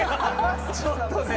ちょっとね。